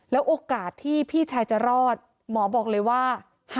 แล้วโอกาสที่พี่ชายจะรอดหมอบอกเลยว่า๕๐๕๐